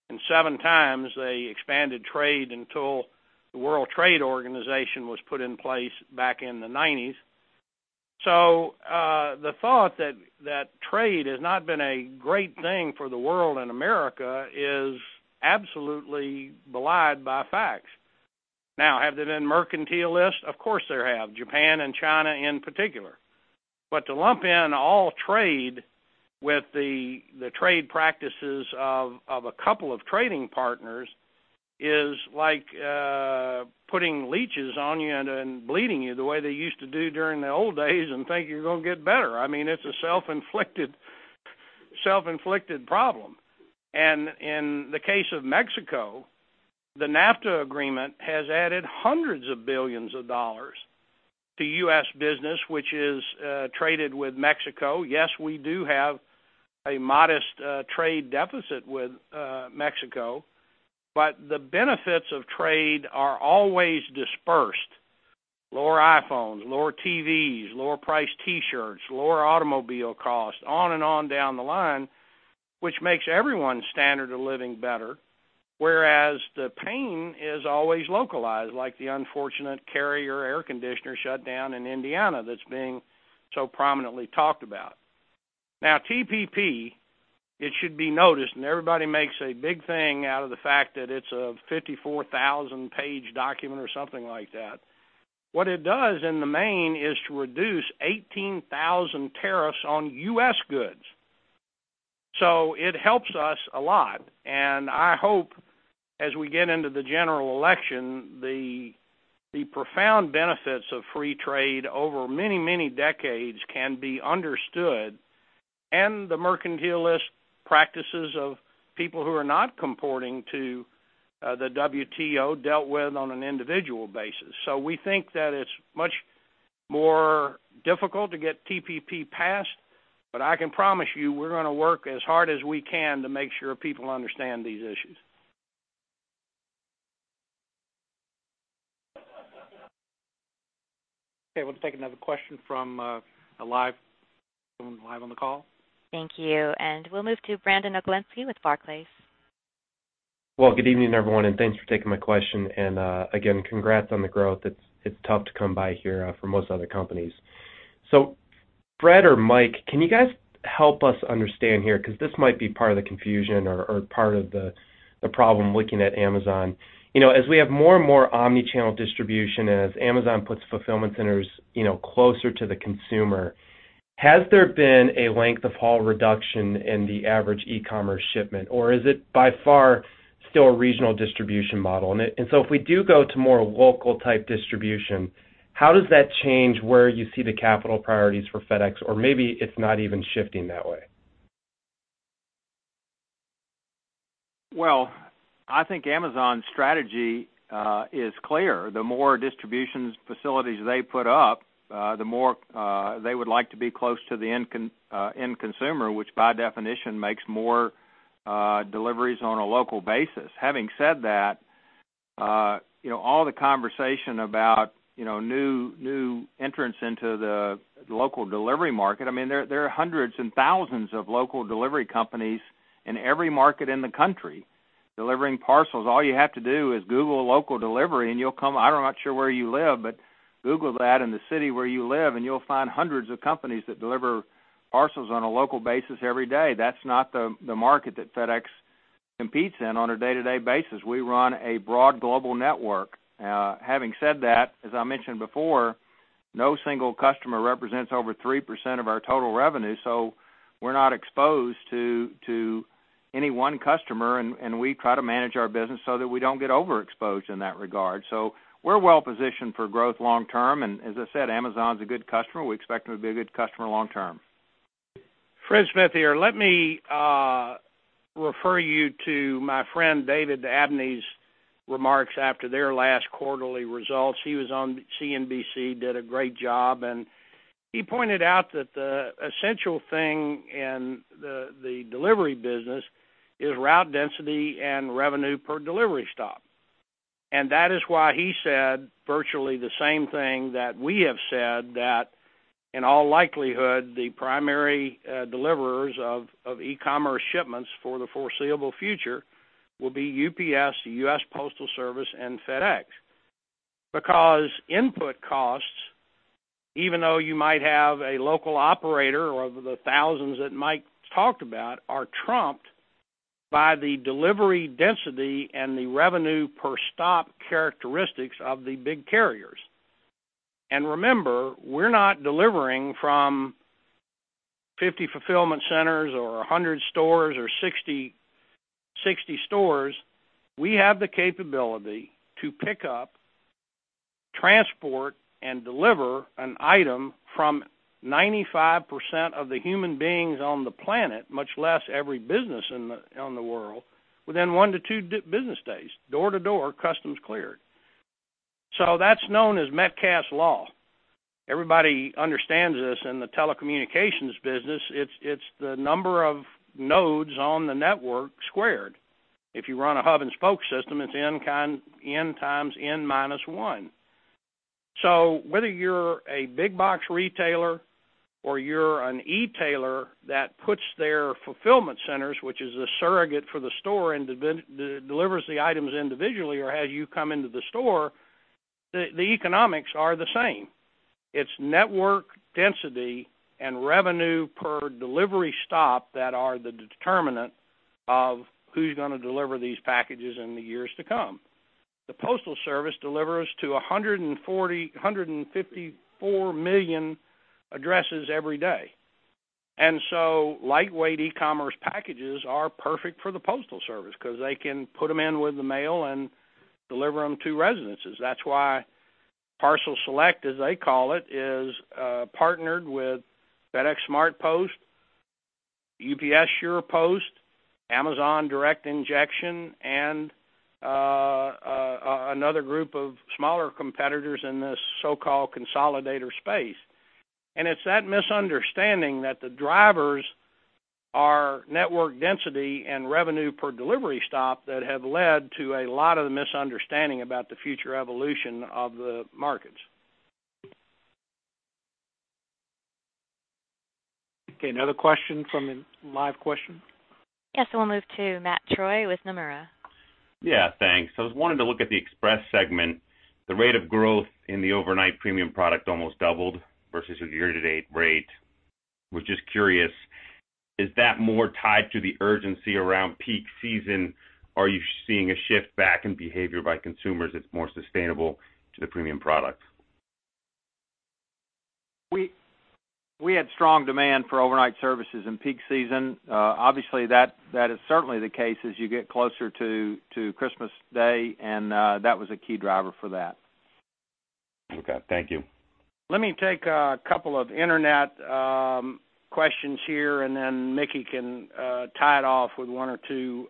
And seven times, they expanded trade until the World Trade Organization was put in place back in the 1990s. So, the thought that, that trade has not been a great thing for the world and America is absolutely belied by facts. Now, have there been mercantilists? Of course, there have, Japan and China in particular. But to lump in all trade with the, the trade practices of, of a couple of trading partners is like, putting leeches on you and, and bleeding you the way they used to do during the old days and think you're gonna get better. I mean, it's a self-inflicted, self-inflicted problem. And in the case of Mexico, the NAFTA agreement has added hundreds of billions of dollars to U.S. business, which is, traded with Mexico. Yes, we do have a modest, trade deficit with, Mexico, but the benefits of trade are always dispersed. Lower iPhones, lower TVs, lower priced T-shirts, lower automobile costs, on and on down the line, which makes everyone's standard of living better, whereas the pain is always localized, like the unfortunate Carrier air conditioner shutdown in Indiana that's being so prominently talked about. Now, TPP, it should be noticed, and everybody makes a big thing out of the fact that it's a 54,000-page document or something like that. What it does in the main is to reduce 18,000 tariffs on U.S. goods. So it helps us a lot, and I hope, as we get into the general election, the profound benefits of free trade over many, many decades can be understood, and the mercantilist practices of people who are not comporting to the WTO dealt with on an individual basis. So we think that it's much more difficult to get TPP passed, but I can promise you, we're gonna work as hard as we can to make sure people understand these issues. Okay, we'll take another question from a live someone live on the call. Thank you, and we'll move to Brandon Oglenski with Barclays. Well, good evening, everyone, and thanks for taking my question. And, again, congrats on the growth. It's, it's tough to come by here, for most other companies. So Fred or Mike, can you guys help us understand here, because this might be part of the confusion or, or part of the, the problem looking at Amazon. You know, as we have more and more omni-channel distribution and as Amazon puts fulfillment centers, you know, closer to the consumer... Has there been a length of haul reduction in the average e-commerce shipment, or is it by far still a regional distribution model? And, and so if we do go to more local type distribution, how does that change where you see the capital priorities for FedEx? Or maybe it's not even shifting that way. Well, I think Amazon's strategy is clear. The more distribution facilities they put up, the more they would like to be close to the end consumer, which by definition, makes more deliveries on a local basis. Having said that, you know, all the conversation about, you know, new entrants into the local delivery market, I mean, there are hundreds and thousands of local delivery companies in every market in the country delivering parcels. All you have to do is Google local delivery, and I'm not sure where you live, but Google that in the city where you live, and you'll find hundreds of companies that deliver parcels on a local basis every day. That's not the market that FedEx competes in on a day-to-day basis. We run a broad global network. Having said that, as I mentioned before, no single customer represents over 3% of our total revenue, so we're not exposed to any one customer, and we try to manage our business so that we don't get overexposed in that regard. So we're well positioned for growth long term, and as I said, Amazon's a good customer. We expect them to be a good customer long term. Fred Smith here. Let me refer you to my friend, David Abney's remarks after their last quarterly results. He was on CNBC, did a great job, and he pointed out that the essential thing in the, the delivery business is route density and revenue per delivery stop. And that is why he said virtually the same thing that we have said that, in all likelihood, the primary deliverers of e-commerce shipments for the foreseeable future will be UPS, the U.S. Postal Service, and FedEx. Because input costs, even though you might have a local operator or the thousands that Mike talked about, are trumped by the delivery density and the revenue per stop characteristics of the big carriers. And remember, we're not delivering from 50 fulfillment centers or 100 stores or 60 stores. We have the capability to pick up, transport, and deliver an item from 95% of the human beings on the planet, much less every business in the world, within 1-2 business days, door-to-door, customs cleared. So that's known as Metcalfe's Law. Everybody understands this in the telecommunications business. It's, it's the number of nodes on the network squared. If you run a hub-and-spoke system, it's N kind, N times N minus one. So whether you're a big box retailer or you're an e-tailer that puts their fulfillment centers, which is a surrogate for the store, and then delivers the items individually or has you come into the store, the, the economics are the same. It's network density and revenue per delivery stop that are the determinant of who's gonna deliver these packages in the years to come. The Postal Service delivers to 140 million-154 million addresses every day. And so lightweight e-commerce packages are perfect for the Postal Service 'cause they can put them in with the mail and deliver them to residences. That's why Parcel Select, as they call it, is partnered with FedEx SmartPost, UPS SurePost, Amazon Direct Injection, and another group of smaller competitors in this so-called consolidator space. And it's that misunderstanding that the drivers are network density and revenue per delivery stop that have led to a lot of the misunderstanding about the future evolution of the markets. Okay, another question from the live question? Yes, we'll move to Matt Troy with Nomura. Yeah, thanks. I was wanting to look at the Express segment. The rate of growth in the overnight premium product almost doubled versus the year-to-date rate. Was just curious, is that more tied to the urgency around peak season, or are you seeing a shift back in behavior by consumers that's more sustainable to the premium products? We had strong demand for overnight services in peak season. Obviously, that is certainly the case as you get closer to Christmas Day, and that was a key driver for that. Okay, thank you. Let me take a couple of internet questions here, and then Mickey can tie it off with one or two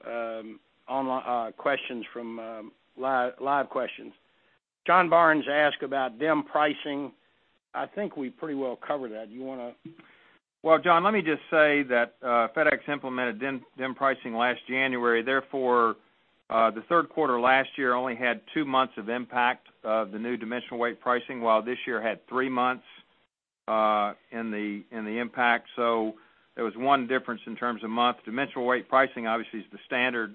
online questions from live questions. John Barnes asked about DIM pricing. I think we pretty well covered that. Do you wanna...? Well, John, let me just say that FedEx implemented DIM, DIM pricing last January. Therefore, the third quarter last year only had two months of impact of the new dimensional weight pricing, while this year had three months in the impact. So there was one difference in terms of months. Dimensional weight pricing, obviously, is the standard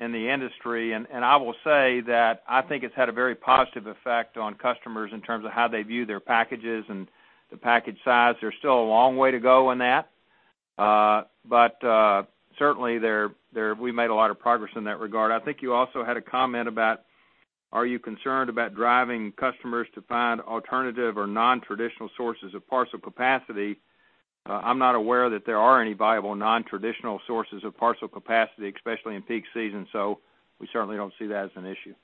in the industry, and I will say that I think it's had a very positive effect on customers in terms of how they view their packages and the package size. There's still a long way to go in that... But certainly, we've made a lot of progress in that regard. I think you also had a comment about, are you concerned about driving customers to find alternative or nontraditional sources of parcel capacity? I'm not aware that there are any viable nontraditional sources of parcel capacity, especially in peak season, so we certainly don't see that as an issue.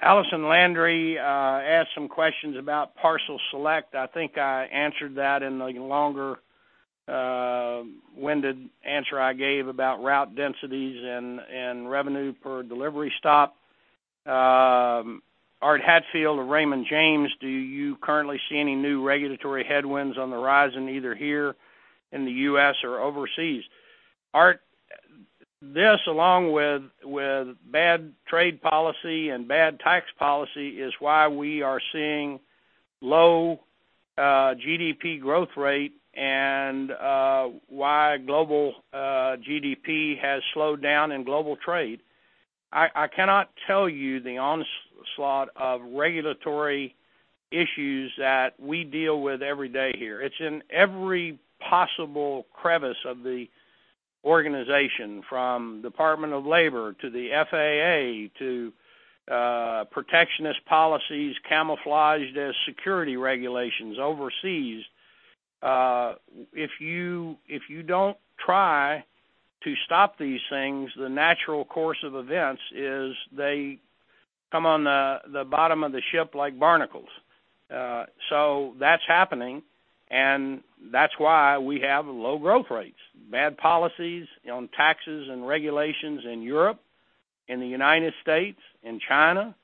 Allison Landry asked some questions about Parcel Select. I think I answered that in the longer winded answer I gave about route densities and revenue per delivery stop. Art Hatfield of Raymond James, "Do you currently see any new regulatory headwinds on the horizon, either here in the U.S. or overseas?" Art, this, along with bad trade policy and bad tax policy, is why we are seeing low GDP growth rate and why global GDP has slowed down in global trade. I cannot tell you the onslaught of regulatory issues that we deal with every day here. It's in every possible crevice of the organization, from Department of Labor to the FAA to protectionist policies camouflaged as security regulations overseas. If you don't try to stop these things, the natural course of events is they come on the bottom of the ship like barnacles. So that's happening, and that's why we have low growth rates. Bad policies on taxes and regulations in Europe, in the United States, in China,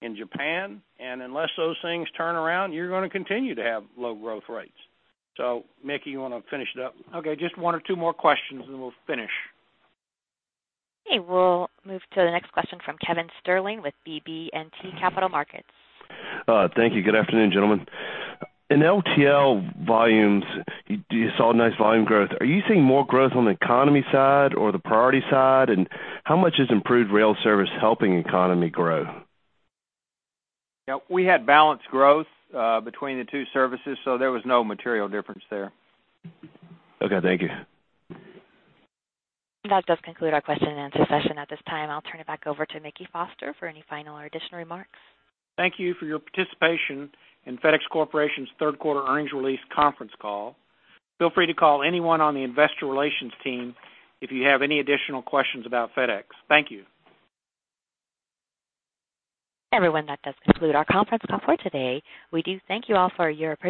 in Japan, and unless those things turn around, you're going to continue to have low growth rates. So Mickey, you want to finish it up? Okay, just one or two more questions, and we'll finish. Okay, we'll move to the next question from Kevin Sterling with BB&T Capital Markets. Thank you. Good afternoon, gentlemen. In LTL volumes, you saw nice volume growth. Are you seeing more growth on the economy side or the Priority side? And how much has improved rail service helping economy grow? Yeah, we had balanced growth between the two services, so there was no material difference there. Okay, thank you. That does conclude our question-and-answer session. At this time, I'll turn it back over to Mickey Foster for any final or additional remarks. Thank you for your participation in FedEx Corporation's third quarter earnings release conference call. Feel free to call anyone on the investor relations team if you have any additional questions about FedEx. Thank you. Everyone, that does conclude our conference call for today. We do thank you all for your participation.